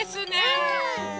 うん！